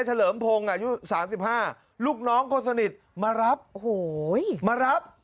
เฉลิมพงศ์อ่ะยุทธสามสิบห้าลูกน้องคนสนิทมารับโอ้โหมารับ